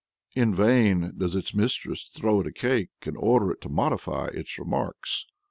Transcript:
In vain does its mistress throw it a cake, and order it to modify its remarks.